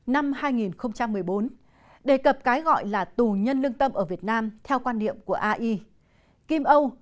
năm hai nghìn một mươi bốn đề cập cái gọi là tù nhân lương tâm ở việt nam theo quan niệm của ai kim âu